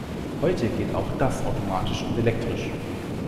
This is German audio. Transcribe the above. Heute geht auch das automatisch und elektrisch.